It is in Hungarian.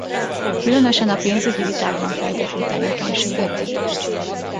Különösen a pénzügyi vitákban fejtett ki tevékenységet.